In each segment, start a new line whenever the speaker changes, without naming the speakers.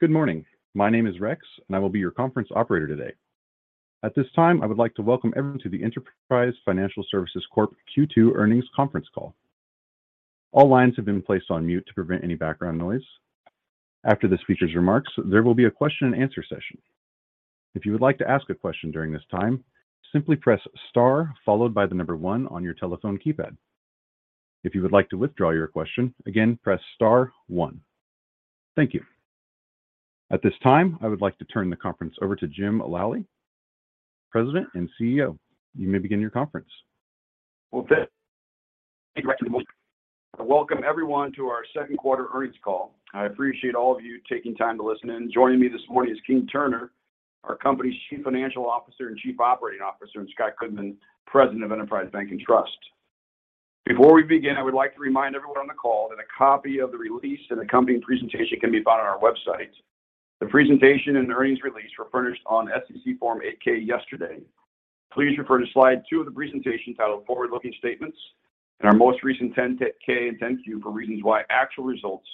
Good morning. My name is Rex, and I will be your conference operator today. At this time, I would like to welcome everyone to the Enterprise Financial Services Corp Q2 Earnings Conference call. All lines have been placed on mute to prevent any background noise. After the speakers' remarks, there will be a question and answer session. If you would like to ask a question during this time, simply press star followed by the number one on your telephone keypad. If you would like to withdraw your question, again, press star one. Thank you. At this time, I would like to turn the conference over to Jim Lally; President and CEO. You may begin your conference.
Well, thank you Rex. I welcome everyone to our second quarter earnings call. I appreciate all of you taking time to listen in. Joining me this morning is Keene Turner, our company's Chief Financial Officer and Chief Operating Officer and Scott Goodman; President of Enterprise Bank & Trust. Before we begin, I would like to remind everyone on the call that a copy of the release and accompanying presentation can be found on our website. The presentation and earnings release were furnished on SEC Form 8-K yesterday. Please refer to slide two of the presentation titled Forward-Looking Statements and our most recent 10-K and 10-Q for reasons why actual results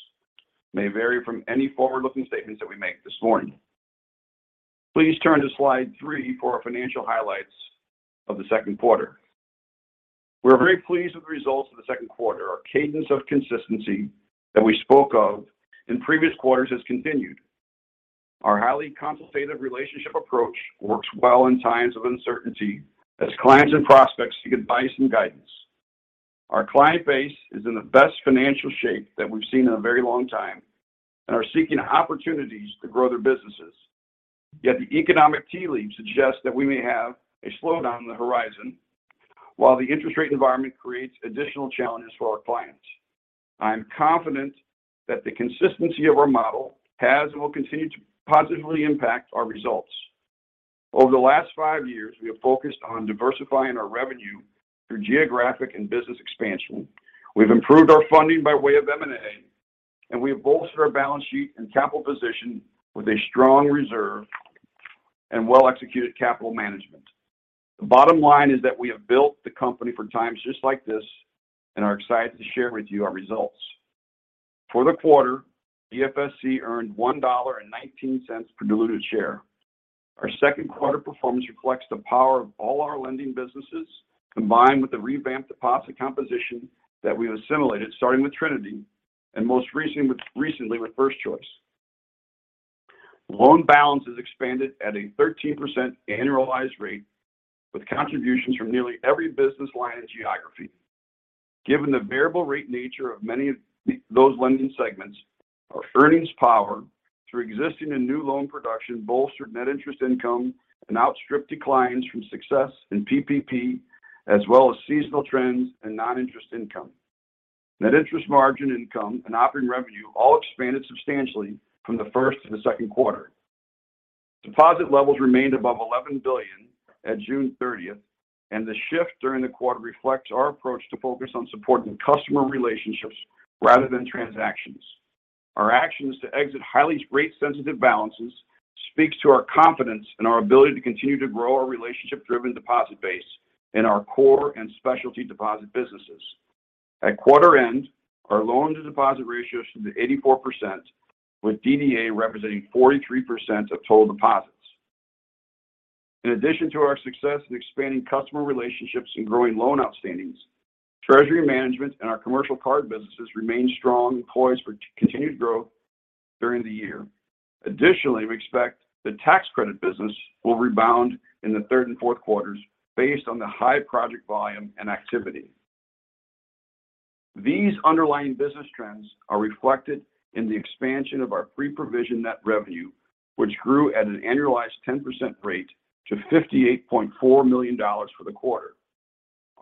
may vary from any forward-looking statements that we make this morning. Please turn to slide three for our financial highlights of the second quarter. We're very pleased with the results of the second quarter. Our cadence of consistency that we spoke of in previous quarters has continued. Our highly consultative relationship approach works well in times of uncertainty as clients and prospects seek advice and guidance. Our client base is in the best financial shape that we've seen in a very long time and are seeking opportunities to grow their businesses. Yet the economic tea leaves suggest that we may have a slowdown on the horizon while the interest rate environment creates additional challenges for our clients. I'm confident that the consistency of our model has and will continue to positively impact our results. Over the last five years, we have focused on diversifying our revenue through geographic and business expansion. We've improved our funding by way of M&A and we have bolstered our balance sheet and capital position with a strong reserve and well-executed capital management. The bottom line is that we have built the company for times just like this and are excited to share with you our results. For the quarter, EFSC earned $1.19 per diluted share. Our second quarter performance reflects the power of all our lending businesses, combined with the revamped deposit composition that we've assimilated, starting with Trinity and most recently with First Choice. Loan balance has expanded at a 13% annualized rate with contributions from nearly every business line and geography. Given the variable rate nature of many of those lending segments, our earnings power through existing and new loan production bolstered net interest income and outstripped declines from success in PPP as well as seasonal trends and non-interest income. Net interest income and operating revenue all expanded substantially from the first to the second quarter. Deposit levels remained above $11 billion at June 30th and the shift during the quarter reflects our approach to focus on supporting customer relationships rather than transactions. Our actions to exit highly rate-sensitive balances speaks to our confidence in our ability to continue to grow our relationship-driven deposit base in our core and specialty deposit businesses. At quarter end, our loan-to-deposit ratio is 84% with DDA representing 43% of total deposits. In addition to our success in expanding customer relationships and growing loan outstandings, treasury management and our commercial card businesses remain strong and poised for continued growth during the year. Additionally, we expect the tax credit business will rebound in the third and fourth quarters based on the high project volume and activity. These underlying business trends are reflected in the expansion of our pre-provision net revenue which grew at an annualized 10% rate to $58.4 million for the quarter.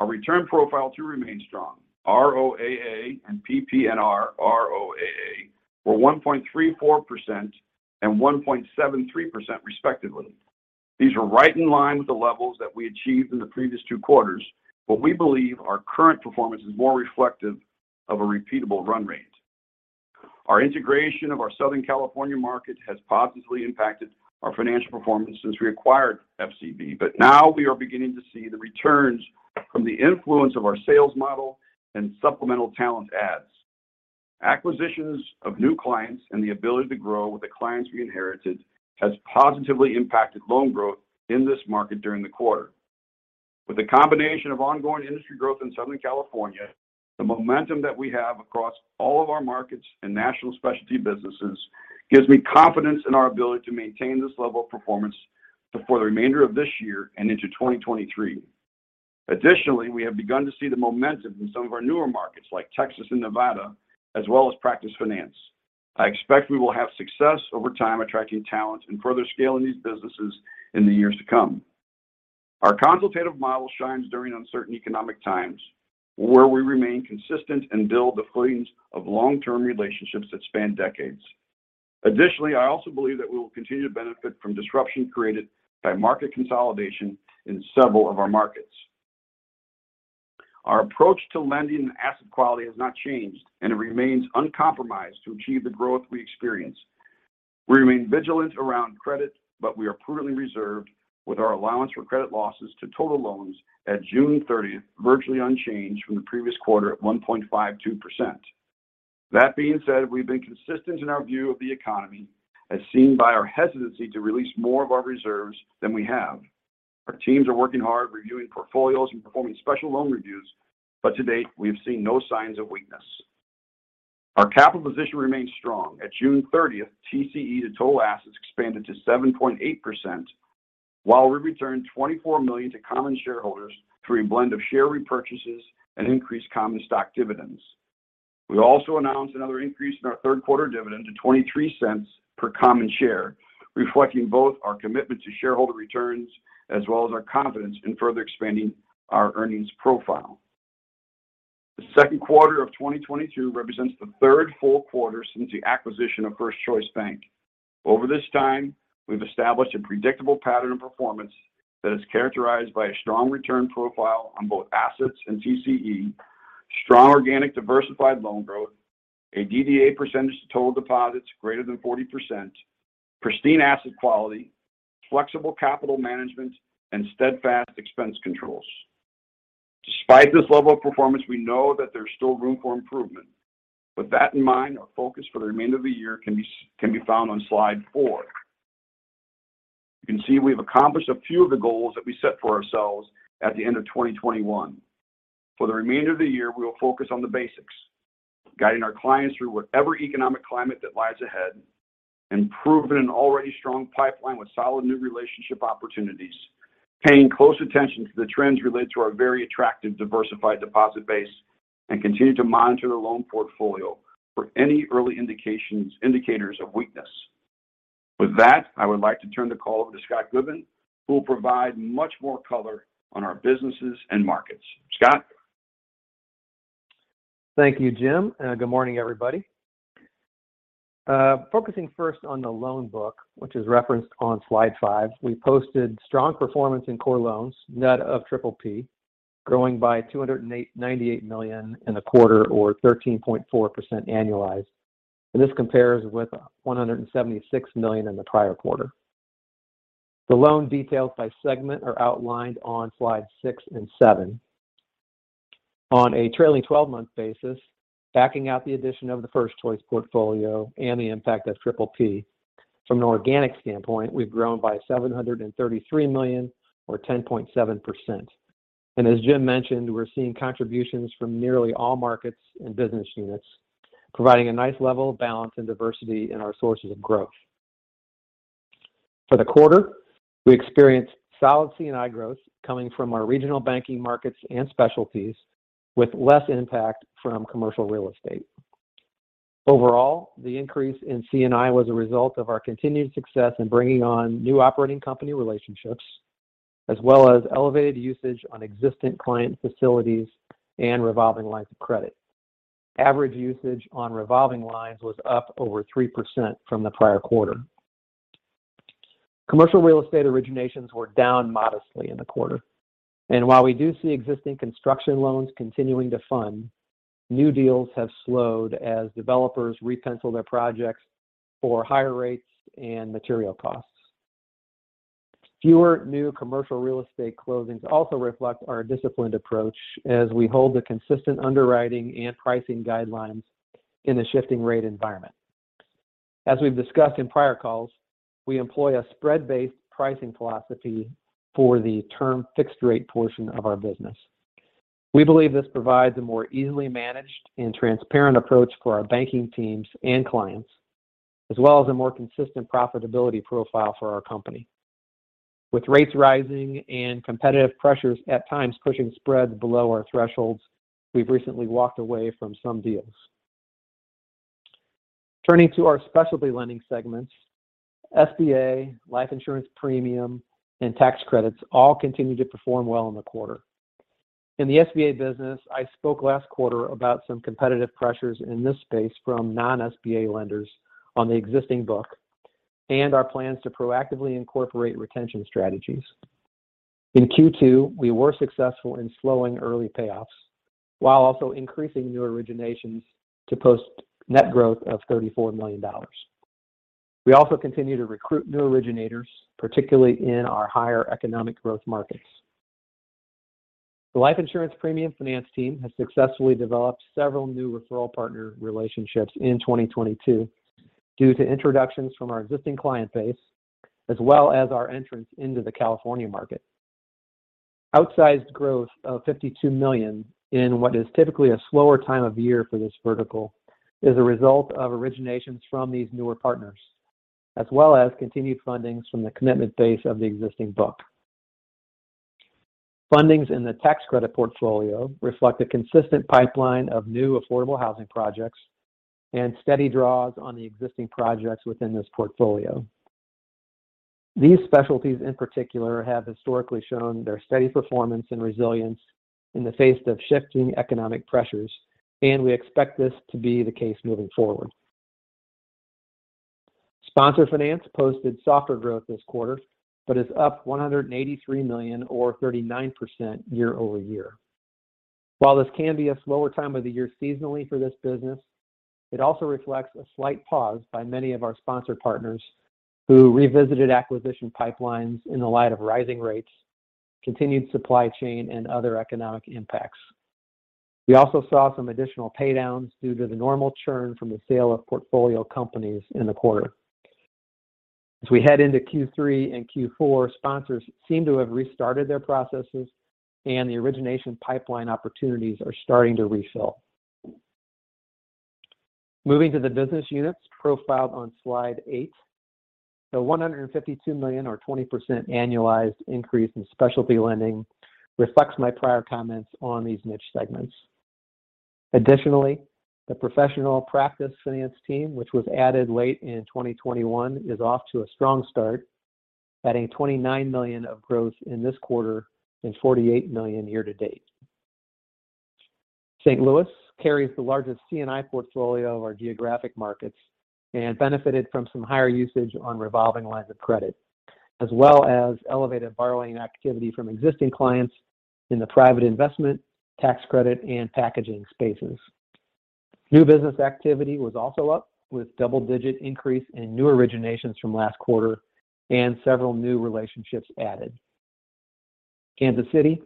Our return profile too remained strong. ROAA and PPNR ROAA were 1.34% and 1.73% respectively. These are right in line with the levels that we achieved in the previous two quarters, but we believe our current performance is more reflective of a repeatable run rate. Our integration of our Southern California market has positively impacted our financial performance since we acquired FCB. Now we are beginning to see the returns from the influence of our sales model and supplemental talent adds. Acquisitions of new clients and the ability to grow with the clients we inherited has positively impacted loan growth in this market during the quarter. With the combination of ongoing industry growth in Southern California, the momentum that we have across all of our markets and national specialty businesses gives me confidence in our ability to maintain this level of performance for the remainder of this year and into 2023. Additionally, we have begun to see the momentum in some of our newer markets like Texas and Nevada, as well as practice finance. I expect we will have success over time attracting talent and further scaling these businesses in the years to come. Our consultative model shines during uncertain economic times where we remain consistent and build the foundations of long-term relationships that span decades. Additionally, I also believe that we will continue to benefit from disruption created by market consolidation in several of our markets. Our approach to lending and asset quality has not changed and it remains uncompromised to achieve the growth we experience. We remain vigilant around credit but we are prudently reserved with our allowance for credit losses to total loans at June 30, virtually unchanged from the previous quarter at 1.52%. That being said, we've been consistent in our view of the economy as seen by our hesitancy to release more of our reserves than we have. Our teams are working hard reviewing portfolios and performing special loan reviews but to date, we have seen no signs of weakness. Our capital position remains strong. At June 30, TCE to total assets expanded to 7.8% while we returned $24 million to common shareholders through a blend of share repurchases and increased common stock dividends. We also announced another increase in our third quarter dividend to $0.23 per common share, reflecting both our commitment to shareholder returns as well as our confidence in further expanding our earnings profile. The second quarter of 2022 represents the third full quarter since the acquisition of First Choice Bank. Over this time, we've established a predictable pattern of performance that is characterized by a strong return profile on both assets and TCE, strong organic diversified loan growth, a DDA percentage to total deposits greater than 40%, pristine asset quality, flexible capital management, and steadfast expense controls. Despite this level of performance, we know that there's still room for improvement. With that in mind, our focus for the remainder of the year can be found on slide four. You can see we've accomplished a few of the goals that we set for ourselves at the end of 2021. For the remainder of the year, we will focus on the basics, guiding our clients through whatever economic climate that lies ahead, improving an already strong pipeline with solid new relationship opportunities, paying close attention to the trends related to our very attractive diversified deposit base, and continue to monitor the loan portfolio for any early indicators of weakness. With that, I would like to turn the call over to Scott Goodman, who will provide much more color on our businesses and markets. Scott?
Thank you Jim and good morning everybody. Focusing first on the loan book which is referenced on slide five, we posted strong performance in core loans, net of PPP, growing by $98 million in the quarter or 13.4% annualized. This compares with $176 million in the prior quarter. The loan details by segment are outlined on slide six and seven. On a trailing 12-month basis, backing out the addition of the First Choice portfolio and the impact of PPP from an organic standpoint, we've grown by $733 million or 10.7%. As Jim mentioned, we're seeing contributions from nearly all markets and business units providing a nice level of balance and diversity in our sources of growth. For the quarter, we experienced solid C&I growth coming from our regional banking markets and specialties with less impact from commercial real estate. Overall, the increase in C&I was a result of our continued success in bringing on new operating company relationships, as well as elevated usage on existing client facilities and revolving lines of credit. Average usage on revolving lines was up over 3% from the prior quarter. Commercial real estate originations were down modestly in the quarter. While we do see existing construction loans continuing to fund, new deals have slowed as developers re-pencil their projects for higher rates and material costs. Fewer new commercial real estate closings also reflect our disciplined approach as we hold the consistent underwriting and pricing guidelines in the shifting rate environment. As we've discussed in prior calls, we employ a spread-based pricing philosophy for the term fixed-rate portion of our business. We believe this provides a more easily managed and transparent approach for our banking teams and clients, as well as a more consistent profitability profile for our company. With rates rising and competitive pressures at times pushing spreads below our thresholds, we've recently walked away from some deals. Turning to our specialty lending segments, SBA, life insurance premium, and tax credits all continued to perform well in the quarter. In the SBA business, I spoke last quarter about some competitive pressures in this space from non-SBA lenders on the existing book and our plans to proactively incorporate retention strategies. In Q2, we were successful in slowing early payoffs while also increasing new originations to post net growth of $34 million. We also continue to recruit new originators particularly in our higher economic growth markets. The life insurance premium finance team has successfully developed several new referral partner relationships in 2022 due to introductions from our existing client base, as well as our entrance into the California market. Outsized growth of $52 million in what is typically a slower time of year for this vertical is a result of originations from these newer partners, as well as continued fundings from the commitment base of the existing book. Fundings in the tax credit portfolio reflect a consistent pipeline of new affordable housing projects and steady draws on the existing projects within this portfolio. These specialties in particular have historically shown their steady performance and resilience in the face of shifting economic pressures and we expect this to be the case moving forward. Sponsor finance posted softer growth this quarter but is up $183 million or 39% year-over-year. While this can be a slower time of the year seasonally for this business it also reflects a slight pause by many of our sponsor partners who revisited acquisition pipelines in the light of rising rates, continued supply chain, and other economic impacts. We also saw some additional paydowns due to the normal churn from the sale of portfolio companies in the quarter. As we head into Q3 and Q4, sponsors seem to have restarted their processes and the origination pipeline opportunities are starting to refill. Moving to the business units profiled on slide eight. The $152 million or 20% annualized increase in specialty lending reflects my prior comments on these niche segments. Additionally, the professional practice finance team which was added late in 2021 is off to a strong start, adding $29 million of growth in this quarter and $48 million year to date. St. Louis carries the largest C&I portfolio of our geographic markets and benefited from some higher usage on revolving lines of credit, as well as elevated borrowing activity from existing clients in the private investment, tax credit, and packaging spaces. New business activity was also up with double-digit increase in new originations from last quarter and several new relationships added. Kansas City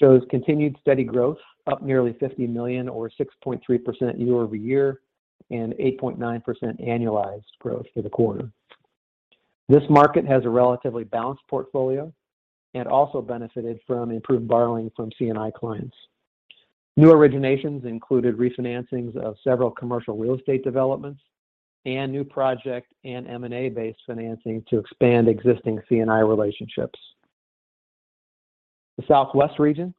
shows continued steady growth, up nearly $50 million or 6.3% year-over-year and 8.9% annualized growth for the quarter. This market has a relatively balanced portfolio and also benefited from improved borrowing from C&I clients. New originations included refinancings of several commercial real estate developments and new project and M&A-based financing to expand existing C&I relationships. The Southwest region,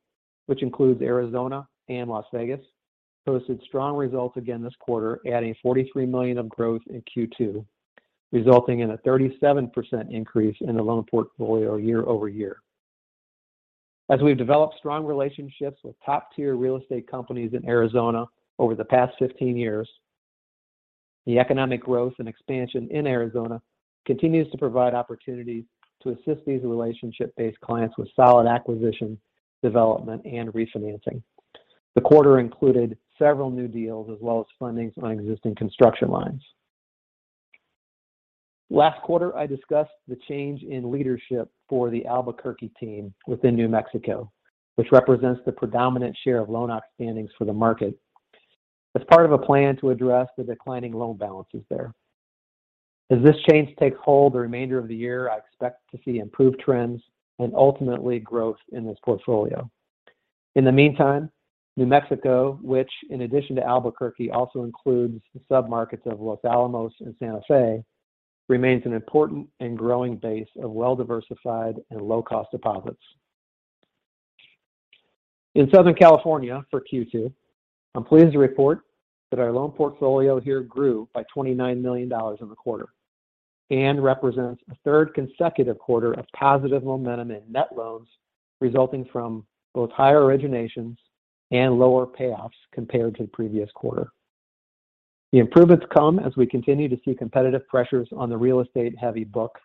which includes Arizona and Las Vegas, posted strong results again this quarter adding $43 million of growth in Q2 resulting in a 37% increase in the loan portfolio year-over-year. As we've developed strong relationships with top-tier real estate companies in Arizona over the past 15 years, the economic growth and expansion in Arizona continues to provide opportunities to assist these relationship-based clients with solid acquisition, development, and refinancing. The quarter included several new deals as well as fundings on existing construction lines. Last quarter, I discussed the change in leadership for the Albuquerque team within New Mexico which represents the predominant share of loan outstandings for the market as part of a plan to address the declining loan balances there. As this change takes hold the remainder of the year, I expect to see improved trends and ultimately growth in this portfolio. In the meantime, New Mexico which in addition to Albuquerque, also includes the submarkets of Los Alamos and Santa Fe remains an important and growing base of well-diversified and low-cost deposits. In Southern California for Q2, I'm pleased to report that our loan portfolio here grew by $29 million in the quarter and represents the third consecutive quarter of positive momentum in net loans resulting from both higher originations and lower payoffs compared to the previous quarter. The improvements come as we continue to see competitive pressures on the real estate-heavy book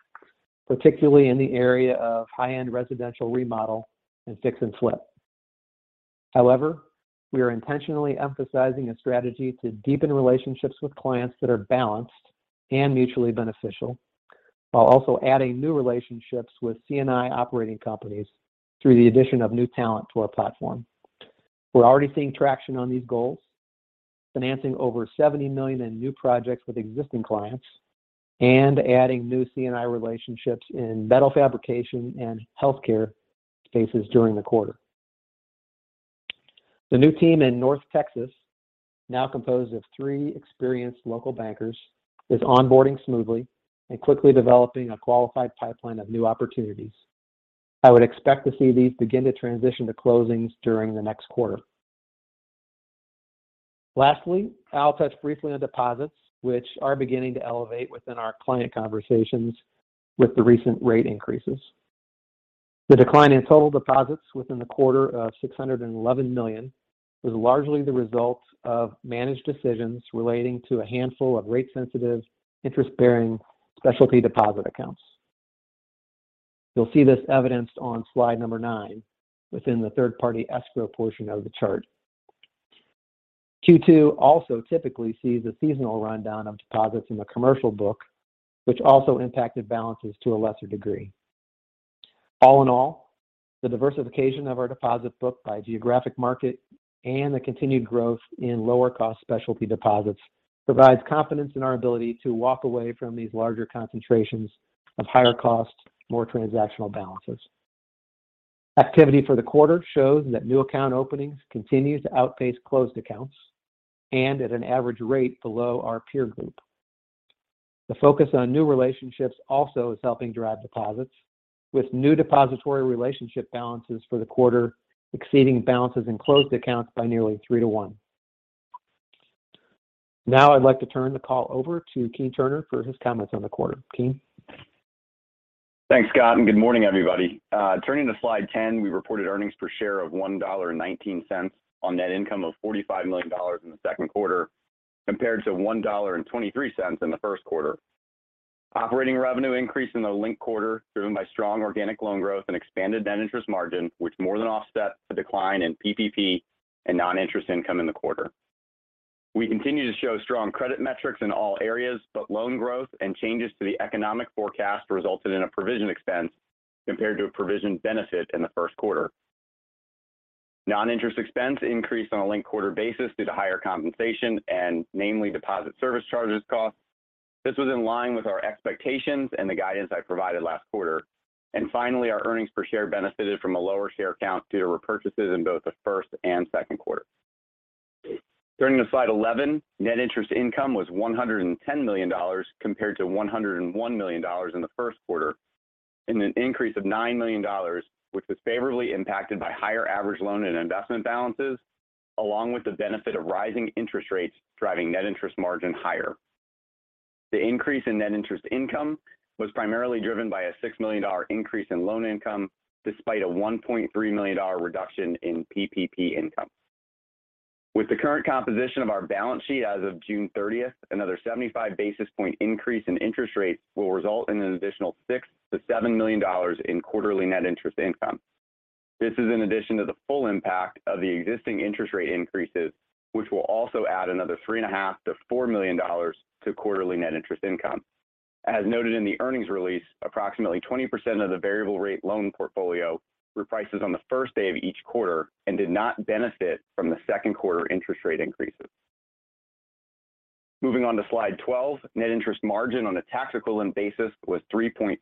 particularly in the area of high-end residential remodel and fix and flip. However, we are intentionally emphasizing a strategy to deepen relationships with clients that are balanced and mutually beneficial, while also adding new relationships with C&I operating companies through the addition of new talent to our platform. We're already seeing traction on these goals, financing over $70 million in new projects with existing clients and adding new C&I relationships in metal fabrication and healthcare spaces during the quarter. The new team in North Texas, now composed of three experienced local bankers is onboarding smoothly and quickly developing a qualified pipeline of new opportunities. I would expect to see these begin to transition to closings during the next quarter. Lastly, I'll touch briefly on deposits which are beginning to elevate within our client conversations with the recent rate increases. The decline in total deposits within the quarter of $611 million was largely the result of managed decisions relating to a handful of rate-sensitive, interest-bearing specialty deposit accounts. You'll see this evidenced on slide number nine within the third-party escrow portion of the chart. Q2 also typically sees a seasonal rundown of deposits in the commercial book which also impacted balances to a lesser degree. All in all, the diversification of our deposit book by geographic market and the continued growth in lower-cost specialty deposits provides confidence in our ability to walk away from these larger concentrations of higher cost, more transactional balances. Activity for the quarter shows that new account openings continue to outpace closed accounts and at an average rate below our peer group. The focus on new relationships also is helping drive deposits with new depository relationship balances for the quarter exceeding balances in closed accounts by nearly three to one. Now I'd like to turn the call over to Keene Turner for his comments on the quarter. Keene?
Thanks Scott and good morning everybody. Turning to slide 10, we reported earnings per share of $1.19 on net income of $45 million in the second quarter compared to $1.23 in the first quarter. Operating revenue increased in the linked quarter driven by strong organic loan growth and expanded net interest margin which more than offset the decline in PPP and non-interest income in the quarter. We continue to show strong credit metrics in all areas but loan growth and changes to the economic forecast resulted in a provision expense compared to a provision benefit in the first quarter. Non-interest expense increased on a linked quarter basis due to higher compensation and namely deposit service charges costs. This was in line with our expectations and the guidance I provided last quarter. Finally, our earnings per share benefited from a lower share count due to repurchases in both the first and second quarter. Turning to slide 11, net interest income was $110 million compared to $101 million in the first quarter and an increase of $9 million which was favorably impacted by higher average loan and investment balances along with the benefit of rising interest rates driving net interest margin higher. The increase in net interest income was primarily driven by a $6 million increase in loan income despite a $1.3 million reduction in PPP income. With the current composition of our balance sheet as of June 30, another 75 basis point increase in interest rates will result in an additional $6 million-$7 million in quarterly net interest income. This is in addition to the full impact of the existing interest rate increases which will also add another $3.5 million-$4 million to quarterly net interest income. As noted in the earnings release, approximately 20% of the variable rate loan portfolio were priced on the first day of each quarter and did not benefit from the second quarter interest rate increases. Moving on to slide 12, net interest margin on a tax equivalent basis was 3.55%,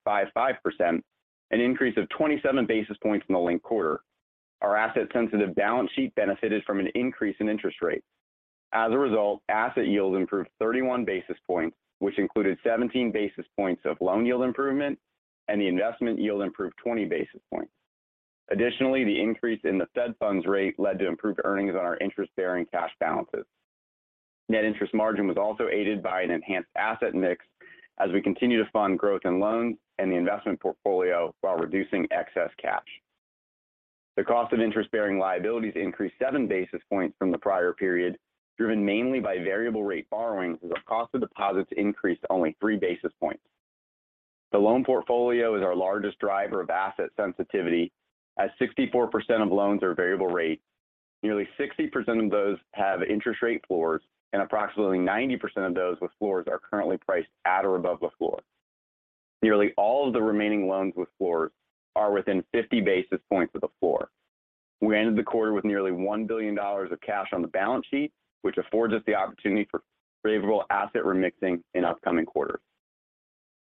an increase of 27 basis points from the linked quarter. Our asset-sensitive balance sheet benefited from an increase in interest rates. As a result, asset yields improved 31 basis points which included 17 basis points of loan yield improvement and the investment yield improved 20 basis points. Additionally, the increase in the Fed funds rate led to improved earnings on our interest-bearing cash balances. Net interest margin was also aided by an enhanced asset mix as we continue to fund growth in loans and the investment portfolio while reducing excess cash. The cost of interest-bearing liabilities increased 7 basis points from the prior period, driven mainly by variable rate borrowings as our cost of deposits increased only 3 basis points. The loan portfolio is our largest driver of asset sensitivity as 64% of loans are variable rate. Nearly 60% of those have interest rate floors and approximately 90% of those with floors are currently priced at or above the floor. Nearly all of the remaining loans with floors are within 50 basis points of the floor. We ended the quarter with nearly $1 billion of cash on the balance sheet, which affords us the opportunity for favorable asset remixing in upcoming quarters.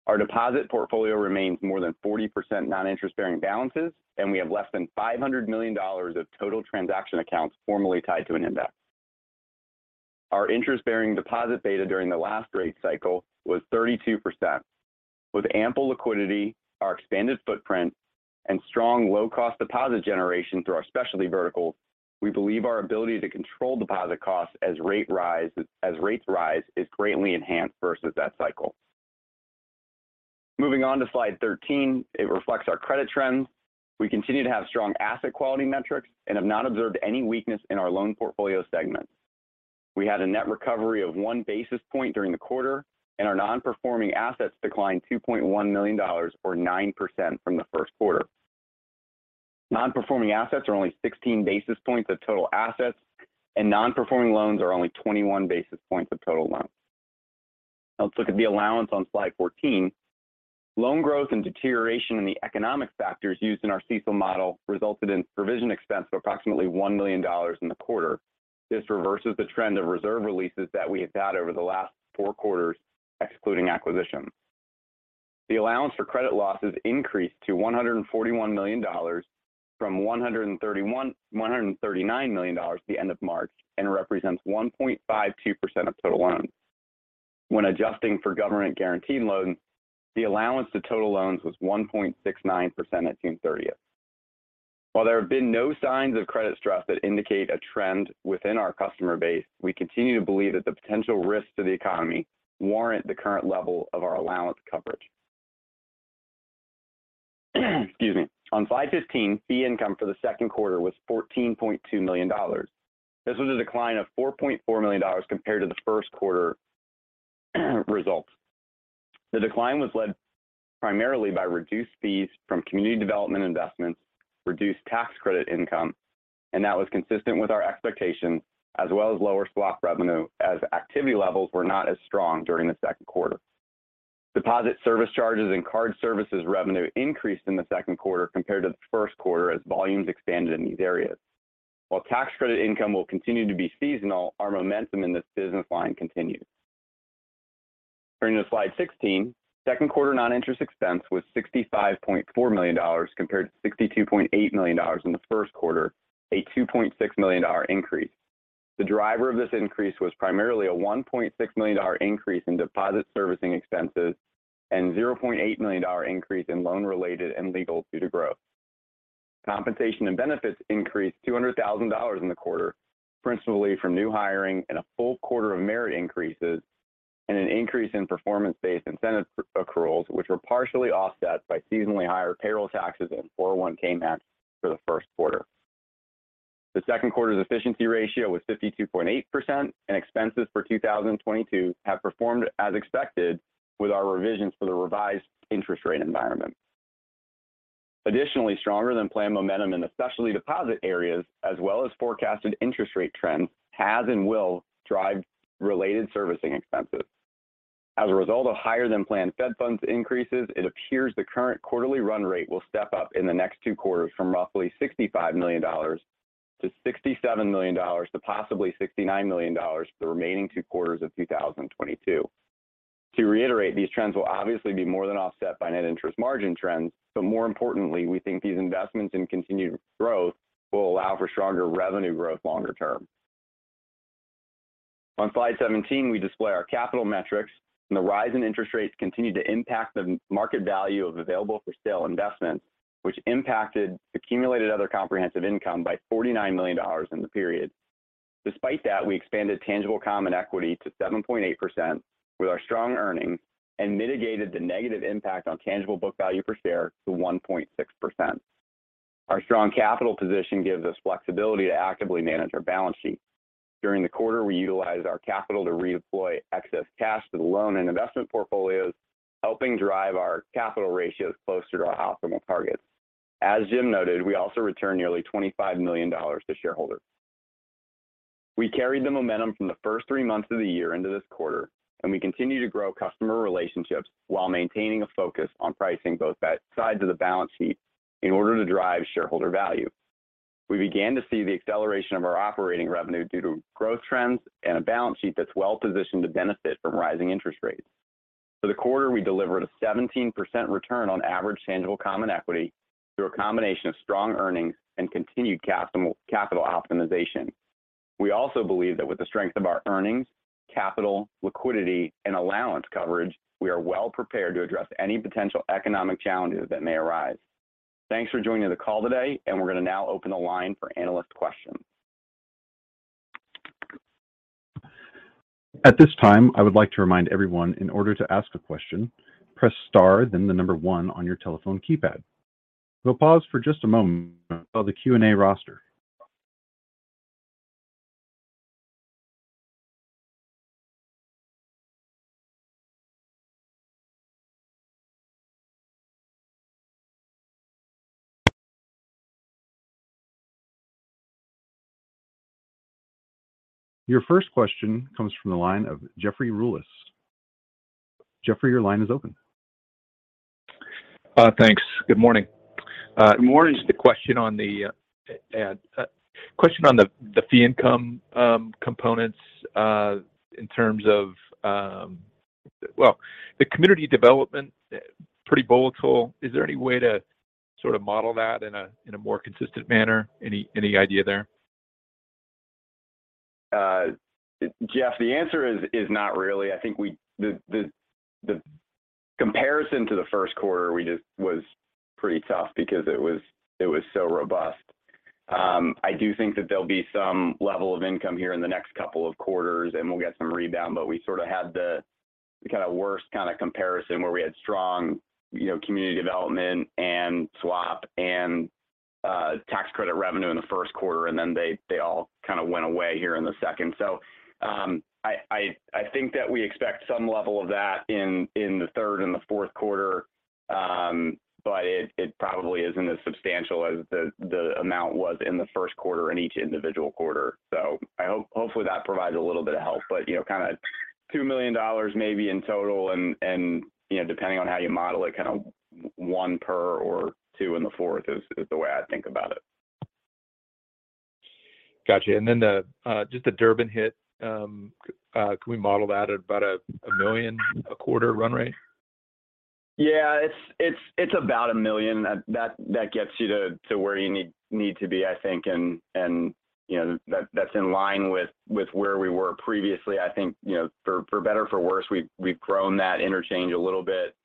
Our deposit portfolio remains more than 40% non-interest-bearing balances and we have less than $500 million of total transaction accounts formally tied to an index. Our interest-bearing deposit beta during the last rate cycle was 32%. With ample liquidity, our expanded footprint and strong low-cost deposit generation through our specialty verticals, we believe our ability to control deposit costs as rates rise is greatly enhanced versus that cycle. Moving on to slide 13, it reflects our credit trends. We continue to have strong asset quality metrics and have not observed any weakness in our loan portfolio segment. We had a net recovery of 1 basis point during the quarter and our non-performing assets declined $2.1 million or 9% from the first quarter. Non-performing assets are only 16 basis points of total assets and non-performing loans are only 21 basis points of total loans. Now let's look at the allowance on slide 14. Loan growth and deterioration in the economic factors used in our CECL model resulted in provision expense of approximately $1 million in the quarter. This reverses the trend of reserve releases that we have had over the last four quarters, excluding acquisition. The allowance for credit losses increased to $141 million from $139 million at the end of March and represents 1.52% of total loans. When adjusting for government-guaranteed loans, the allowance to total loans was 1.69% at June 30th. While there have been no signs of credit stress that indicate a trend within our customer base, we continue to believe that the potential risks to the economy warrant the current level of our allowance coverage. On slide 15, fee income for the second quarter was $14.2 million. This was a decline of $4.4 million compared to the first quarter results. The decline was led primarily by reduced fees from community development investments, reduced tax credit income, and that was consistent with our expectations as well as lower SLOC revenue as activity levels were not as strong during the second quarter. Deposit service charges and card services revenue increased in the second quarter compared to the first quarter as volumes expanded in these areas. While tax credit income will continue to be seasonal, our momentum in this business line continues. Turning to slide 16, second quarter noninterest expense was $65.4 million compared to $62.8 million in the first quarter, a $2.6 million increase. The driver of this increase was primarily a $1.6 million increase in deposit servicing expenses and $0.8 million increase in loan related and legal due to growth. Compensation and benefits increased $200,000 in the quarter, principally from new hiring and a full quarter of merit increases and an increase in performance-based incentive accruals which were partially offset by seasonally higher payroll taxes and 401(k) match for the first quarter. The second quarter's efficiency ratio was 52.8% and expenses for 2022 have performed as expected with our revisions for the revised interest rate environment. Additionally, stronger than planned momentum in especially deposit areas as well as forecasted interest rate trends has and will drive related servicing expenses. As a result of higher than planned Fed funds increases, it appears the current quarterly run rate will step up in the next two quarters from roughly $65 million to $67 million to possibly $69 million for the remaining two quarters of 2022. To reiterate, these trends will obviously be more than offset by net interest margin trends. More importantly, we think these investments in continued growth will allow for stronger revenue growth longer term. On slide 17, we display our capital metrics and the rise in interest rates continue to impact the market value of available for sale investments which impacted accumulated other comprehensive income by $49 million in the period. Despite that, we expanded tangible common equity to 7.8% with our strong earnings and mitigated the negative impact on tangible book value per share to 1.6%. Our strong capital position gives us flexibility to actively manage our balance sheet. During the quarter, we utilized our capital to redeploy excess cash to the loan and investment portfolios, helping drive our capital ratios closer to our optimal targets. As Jim noted, we also returned nearly $25 million to shareholders. We carried the momentum from the first three months of the year into this quarter and we continue to grow customer relationships while maintaining a focus on pricing both sides of the balance sheet in order to drive shareholder value. We began to see the acceleration of our operating revenue due to growth trends and a balance sheet that's well-positioned to benefit from rising interest rates. For the quarter, we delivered a 17% return on average tangible common equity through a combination of strong earnings and continued capital optimization. We also believe that with the strength of our earnings, capital, liquidity, and allowance coverage, we are well-prepared to address any potential economic challenges that may arise. Thanks for joining the call today and we're going to now open the line for analyst questions.
At this time, I would like to remind everyone in order to ask a question, press star then the number one on your telephone keypad. We'll pause for just a moment while the Q&A roster. Your first question comes from the line of Jeffrey Rulis. Jeffrey your line is open.
Thanks, good morning.
Good morning.
Just a question on the fee income components in terms of well, the community development pretty volatile. Is there any way to sort of model that in a more consistent manner? Any idea there?
Jeff, the answer is not really. I think the comparison to the first quarter was pretty tough because it was so robust. I do think that there'll be some level of income here in the next couple of quarters and we'll get some rebound. We sort of had the kind of worst kind of comparison where we had strong, you know, community development and swap and tax credit revenue in the first quarter and then they all kind of went away here in the second. I think that we expect some level of that in the third and the fourth quarter. But it probably isn't as substantial as the amount was in the first quarter in each individual quarter. Hopefully that provides a little bit of help but you know, kind of $2 million maybe in total and you know, depending on how you model it, kind of one per or two in the fourth is the way I think about it.
Gotcha. Just the Durbin hit. Can we model that at about a million a quarter run rate?
Yeah. It's about a million that gets you to where you need to be, I think. You know, that's in line with where we were previously. I think, you know, for better or for worse, we've grown that interchange a little bit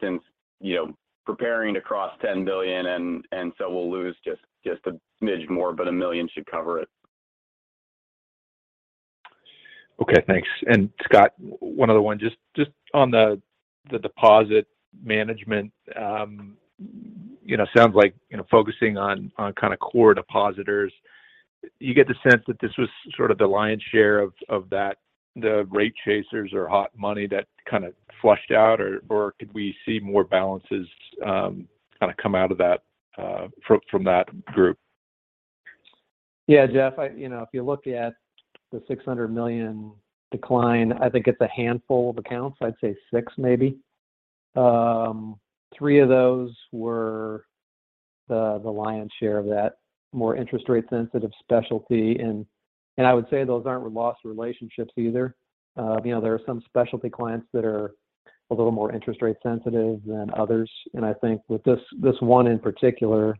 since, you know, preparing to cross $10 billion and so we'll lose just a smidge more but $1 million should cover it.
Okay, thanks. Scott, one other one. Just on the deposit management, you know, sounds like, you know, focusing on kind of core depositors. You get the sense that this was sort of the lion's share of that, the rate chasers or hot money that kind of flushed out or could we see more balances, kind of come out of that, from that group?
Yeah, Jeff, you know, if you look at the $600 million decline, I think it's a handful of accounts. I'd say six maybe. Three of those were the lion's share of that more interest rate sensitive specialty. I would say those aren't lost relationships either. You know, there are some specialty clients that are a little more interest rate sensitive than others. I think with this one in particular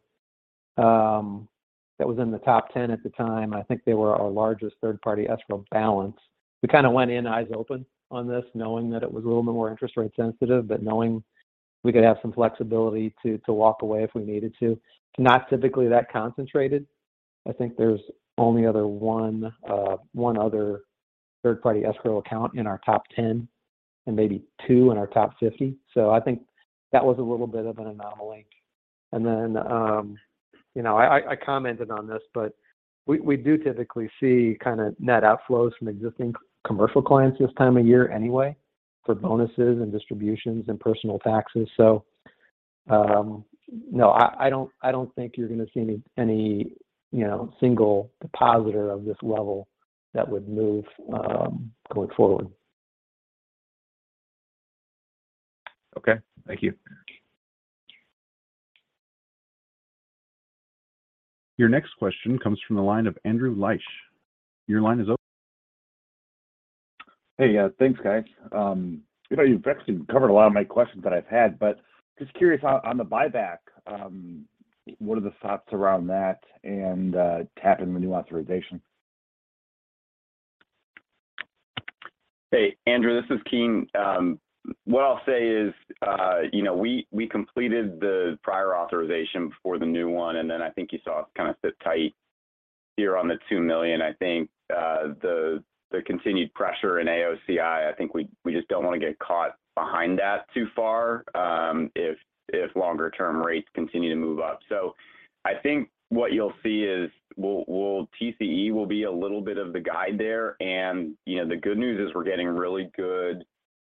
that was in the top ten at the time, I think they were our largest third-party escrow balance. We kind of went in eyes open on this, knowing that it was a little more interest rate sensitive but knowing we could have some flexibility to walk away if we needed to. Not typically that concentrated. I think there's only one other third-party escrow account in our top 10 and maybe two in our top 50. I think that was a little bit of an anomaly. You know, I commented on this, but we do typically see kind of net outflows from existing commercial clients this time of year anyway for bonuses and distributions and personal taxes. No, I don't think you're going to see any, you know, single depositor of this level that would move going forward.
Okay, thank you.
Your next question comes from the line of Andrew Liesch. Your line is open.
Hey. Yeah, thanks guys. You know, you've actually covered a lot of my questions that I've had but just curious on the buyback, what are the thoughts around that and tapping the new authorization?
Hey Andrew, this is Keene. What I'll say is, you know, we completed the prior authorization before the new one and then I think you saw us kind of sit tight here on the $2 million. I think the continued pressure in AOCI. I think we just don't want to get caught behind that too far, if longer-term rates continue to move up. I think what you'll see is TCE will be a little bit of the guide there. You know, the good news is we're getting really good,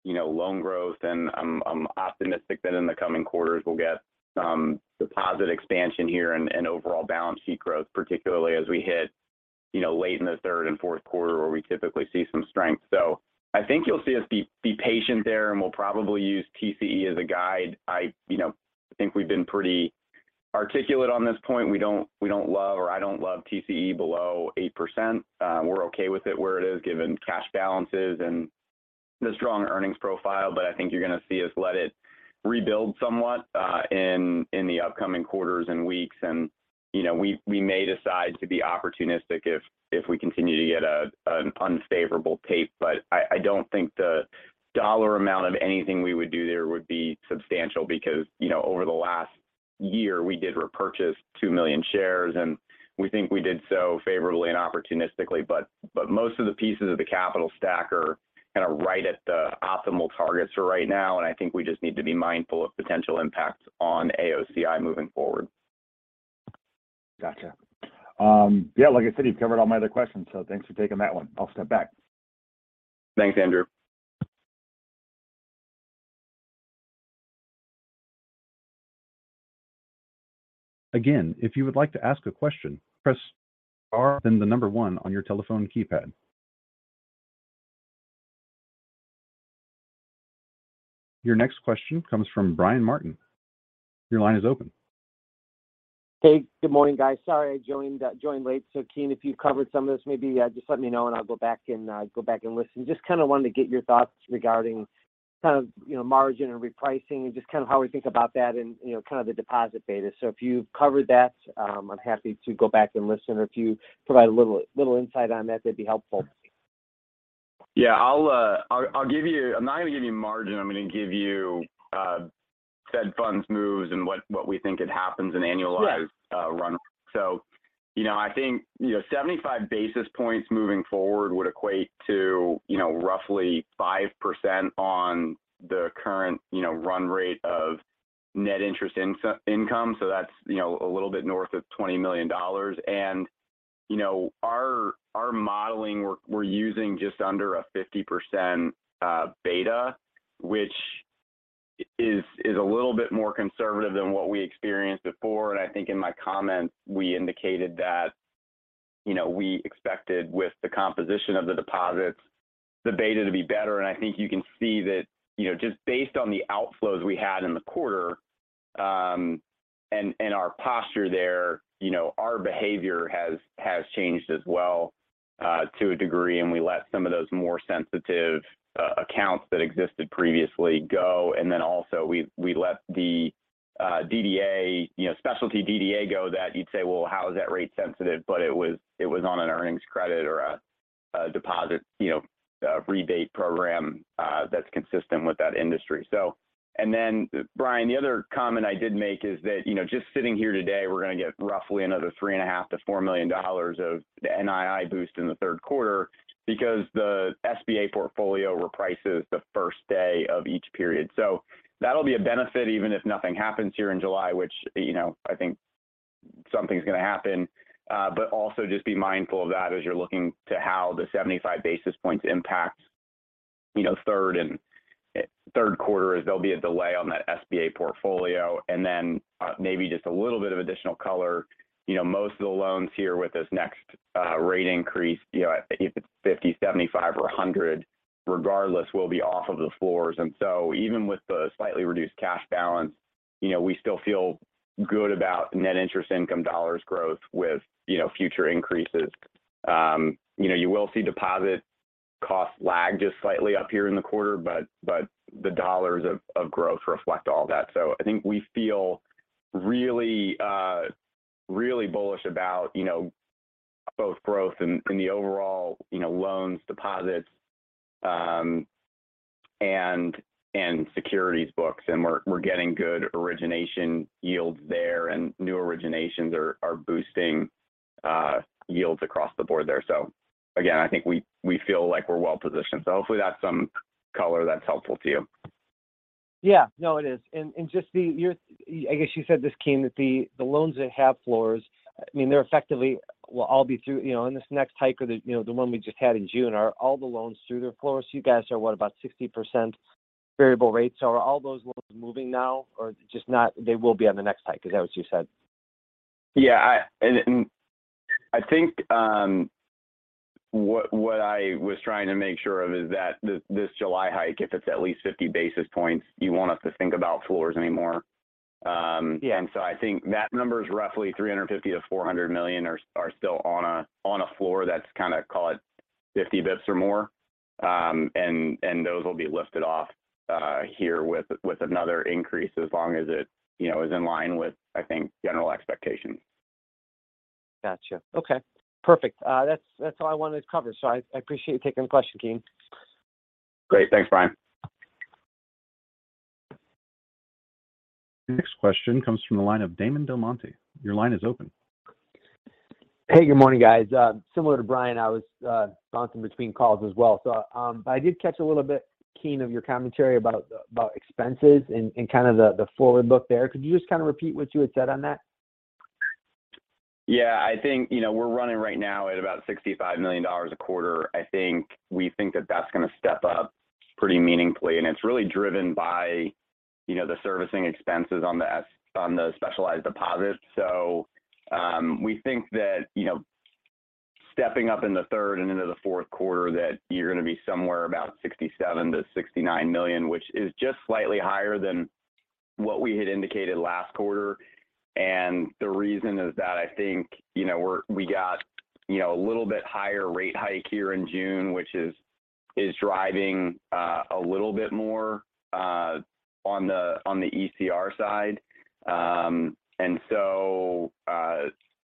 you know, loan growth and I'm optimistic that in the coming quarters we'll get some deposit expansion here and overall balance sheet growth, particularly as we hit, you know, late in the third and fourth quarter where we typically see some strength. I think you'll see us be patient there, and we'll probably use TCE as a guide. I, you know, think we've been pretty articulate on this point. We don't love, or I don't love TCE below 8%. We're okay with it where it is given cash balances and the strong earnings profile. I think you're going to see us let it rebuild somewhat in the upcoming quarters and weeks. You know, we may decide to be opportunistic if we continue to get an unfavorable tape. I don't think the dollar amount of anything we would do there would be substantial because, you know, over the last year, we did repurchase 2 million shares and we think we did so favorably and opportunistically. Most of the pieces of the capital stack are kind of right at the optimal targets for right now and I think we just need to be mindful of potential impacts on AOCI moving forward.
Gotcha. Yeah, like I said, you've covered all my other questions, so thanks for taking that one. I'll step back.
Thanks Andrew.
Again, if you would like to ask a question, press star then the number one on your telephone keypad. Your next question comes from Brian Martin. Your line is open.
Hey. Good morning guys. Sorry I joined late. Keene if you covered some of this, maybe just let me know and I'll go back and listen. Just kind of wanted to get your thoughts regarding kind of, you know, margin and repricing and just kind of how we think about that and, you know, kind of the deposit beta? If you've covered that, I'm happy to go back and listen, or if you provide a little insight on that'd be helpful.
Yeah. I'm not going to give you margin. I'm going to give you Fed funds moves and what we think happens in annualized—
Sure
run. You know, I think, you know, 75 basis points moving forward would equate to, you know, roughly 5% on the current, you know, run rate of net interest income. so that's, you know, a little bit north of $20 million. You know, our modeling, we're using just under a 50% beta which is a little bit more conservative than what we experienced before. I think in my comments, we indicated that, you know, we expected with the composition of the deposits, the beta to be better. I think you can see that, you know, just based on the outflows we had in the quarter and our posture there, you know, our behavior has changed as well, to a degree and we let some of those more sensitive accounts that existed previously go. Also we let the DDA, you know, specialty DDA go that you'd say, "Well, how is that rate sensitive?" It was on an earnings credit or a deposit, you know, rebate program that's consistent with that industry. Brian, the other comment I did make is that, you know, just sitting here today, we're going to get roughly another $3.5 million-$4 million of NII boost in the third quarter because the SBA portfolio reprices the first day of each period. That'll be a benefit even if nothing happens here in July, which, you know, I think something's going to happen. Also just be mindful of that as you're looking to how the 75 basis points impacts, you know, third quarter as there'll be a delay on that SBA portfolio. Maybe just a little bit of additional color. You know, most of the loans here with this next rate increase, you know, if it's 50, 75, or 100 regardless, will be off of the floors. Even with the slightly reduced cash balance, you know, we still feel good about net interest income dollars growth with, you know, future increases. You know, you will see deposit costs lag just slightly up here in the quarter but the dollars of growth reflect all that. I think we feel really bullish about, you know, both growth and the overall, you know, loans, deposits, and securities books, and we're getting good origination yields there and new originations are boosting yields across the board there. Again, I think we feel like we're well positioned. Hopefully that's some color that's helpful to you.
Yeah. No, it is. I guess you said this, Keene, that the loans that have floors, I mean, they're effectively will all be through, you know, in this next hike or the one we just had in June. Are all the loans through their floors? You guys are, what, about 60% variable rates. So are all those loans moving now or they will be on the next hike? Is that what you said?
Yeah. I think what I was trying to make sure of is that this July hike, if it's at least 50 basis points, you want us to think about floors anymore.
Yeah.
I think that number is roughly $350 million-$400 million are still on a floor that's kind of, call it 50 basis points or more. Those will be lifted off here with another increase as long as it, you know, is in line with, I think general expectations.
Gotcha. Okay, perfect that's all I wanted to cover. I appreciate you taking the question, Keene.
Great. Thanks Brian.
Next question comes from the line of Damon DelMonte. Your line is open.
Hey, good morning guys. Similar to Brian, I was bouncing between calls as well. I did catch a little bit, Keene, of your commentary about expenses and kind of the forward look there. Could you just kind of repeat what you had said on that?
Yeah. I think, you know, we're running right now at about $65 million a quarter. I think we think that's gonna step up pretty meaningfully and it's really driven by, you know, the servicing expenses on the specialized deposits. We think that, you know, stepping up in the third and into the fourth quarter that you're gonna be somewhere about $67-$69 million which is just slightly higher than what we had indicated last quarter. The reason is that I think, you know, we got, you know, a little bit higher rate hike here in June which is driving a little bit more on the ECR side.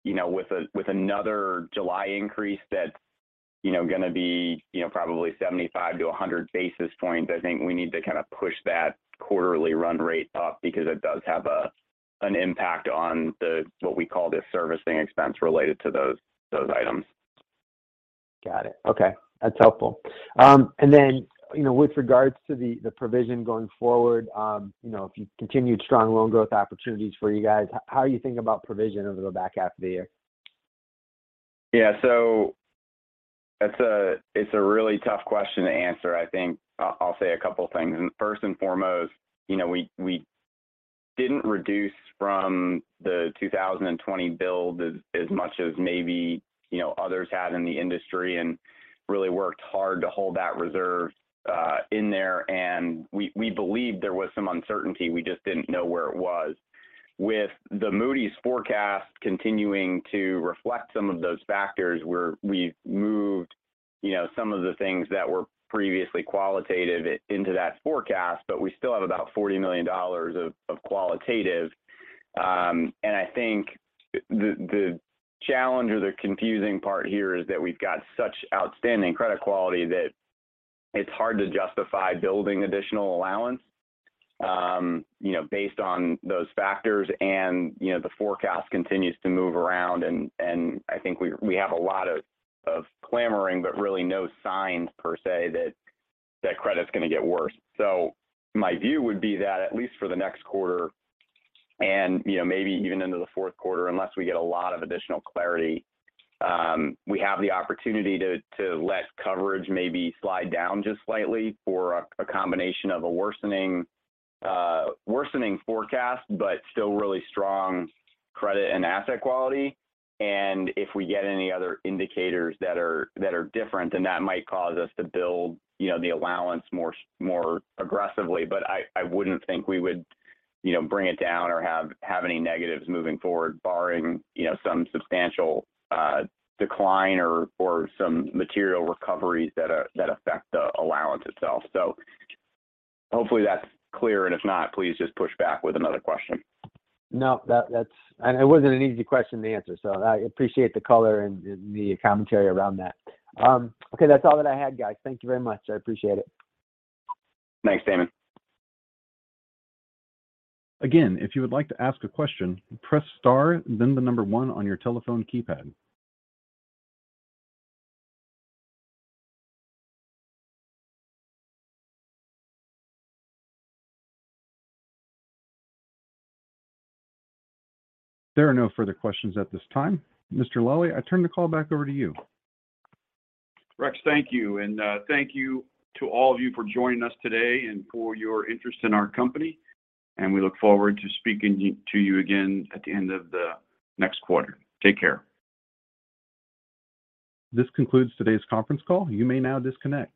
You know, with another July increase that's, you know, gonna be, you know, probably 75-100 basis points, I think we need to kind of push that quarterly run rate up because it does have an impact on the, what we call the servicing expense related to those items.
Got it. Okay, that's helpful. You know, with regards to the provision going forward, you know, if you continued strong loan growth opportunities for you guys, how are you thinking about provision over the back half of the year?
Yeah. It's a really tough question to answer, I think. I'll say a couple of things. First and foremost, you know, we didn't reduce from the 2020 build as much as maybe, you know, others had in the industry and really worked hard to hold that reserve in there. We believed there was some uncertainty, we just didn't know where it was. With the Moody's forecast continuing to reflect some of those factors, we've moved, you know, some of the things that were previously qualitative into that forecast but we still have about $40 million of qualitative. I think the challenge or the confusing part here is that we've got such outstanding credit quality that it's hard to justify building additional allowance, you know, based on those factors. You know, the forecast continues to move around and I think we have a lot of clamoring but really no signs per se that credit's gonna get worse. My view would be that at least for the next quarter and, you know, maybe even into the fourth quarter, unless we get a lot of additional clarity, we have the opportunity to let coverage maybe slide down just slightly for a combination of a worsening forecast but still really strong credit and asset quality. If we get any other indicators that are different, then that might cause us to build the allowance more aggressively. I wouldn't think we would, you know, bring it down or have any negatives moving forward barring, you know, some substantial decline or some material recoveries that affect the allowance itself. Hopefully that's clear and if not, please just push back with another question.
No, that's. It wasn't an easy question to answer, so I appreciate the color and the commentary around that. Okay, that's all that I had, guys. Thank you very much. I appreciate it.
Thanks Damon.
Again, if you would like to ask a question, press star then the number one on your telephone keypad. There are no further questions at this time. Mr. Lally, I turn the call back over to you.
Rex thank you. Thank you to all of you for joining us today and for your interest in our company. We look forward to speaking to you again at the end of the next quarter. Take care.
This concludes today's conference call. You may now disconnect.